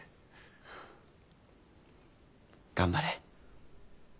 頑張れ。